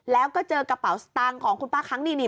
แล้วก็เจอกระเป๋าสตางค์ของคุณป้าค้างนี่